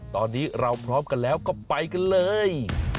ตอนนี้เราพร้อมกันแล้วก็ไปกันเลย